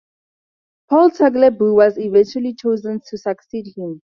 Paul Tagliabue was eventually chosen to succeed him.